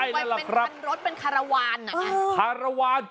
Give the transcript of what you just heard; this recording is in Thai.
อุ้ยไงเป็นรถเป็นคาระวาน